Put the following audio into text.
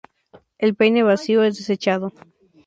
El peine vacío es desechado.